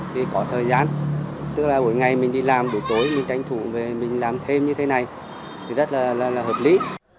thì có thời gian tức là buổi ngày mình đi làm buổi tối mình tranh thủ về mình làm thêm như thế này thì rất là hợp lý